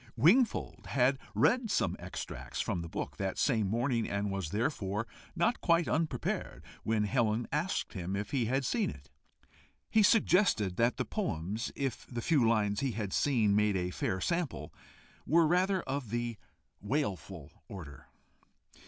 Wingfold had read some extracts from the book that same morning, and was therefore not quite unprepared when Helen asked him if he had seen it. He suggested that the poems, if the few lines he had seen made a fair sample, were rather of the wailful order.